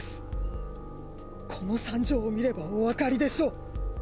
この惨状を見ればおわかりでしょう。